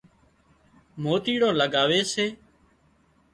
موتيڙان لڳاوي سي